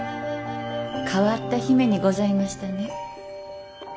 変わった姫にございましたね。